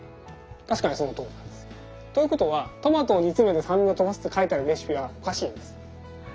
確かにそのとおりなんです。ということはトマトを煮詰めて酸味をとばすって書いてあるレシピはおかしいんです。